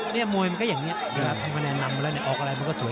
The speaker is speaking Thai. เนีย้ยม้วยมันก็อย่างนี้